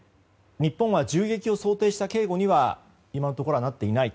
日本は銃撃を想定した警護には今のところなっていない。